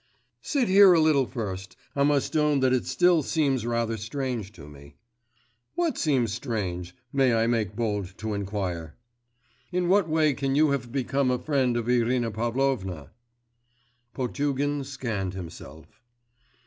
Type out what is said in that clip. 'Sit here a little first. I must own that it still seems rather strange to me.' 'What seems strange, may I make bold to inquire?' 'In what way can you have become a friend of Irina Pavlovna?' Potugin scanned himself.